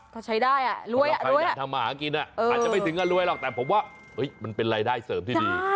เขาใช้ได้อ่ะรวยอ่ะรวยอ่ะถ้าใครอยากทำมาหากินอ่ะอาจจะไม่ถึงอ่ะรวยหรอกแต่ผมว่ามันเป็นรายได้เสริมที่ดี